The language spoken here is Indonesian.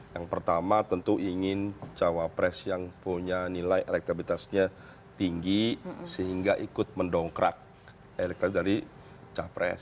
yang pertama tentu ingin cawapres yang punya nilai elektabilitasnya tinggi sehingga ikut mendongkrak elektabilitas dari capres